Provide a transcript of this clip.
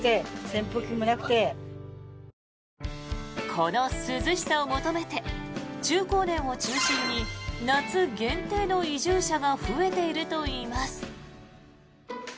この涼しさを求めて中高年を中心に夏限定の移住者が増えているといいます。